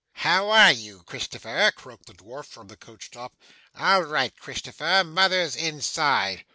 'How are you, Christopher?' croaked the dwarf from the coach top. 'All right, Christopher. Mother's inside.